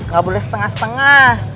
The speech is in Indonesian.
gak boleh setengah setengah